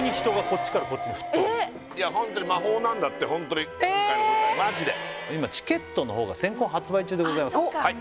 こっちからこっちにホントに魔法なんだってホントに今回の舞台マジで今チケットの方が先行発売中でございます